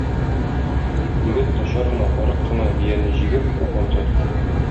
Егет, начар гына, арык кына бияне җигеп, урманга китә.